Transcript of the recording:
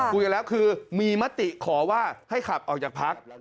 คุยกันแล้วคือมีมติขอว่าให้ขับออกจากพัก